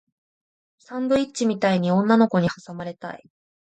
サンドイッチみたいに女の子に挟まれたい